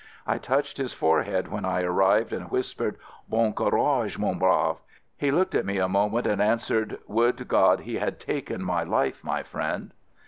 I touched his forehead when I ar rived and whispered, "Bon courage, mon brave!" He looked at me a moment and answered, "Would God he had taken my life, my friend."